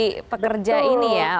masuk di kategori pekerja ini ya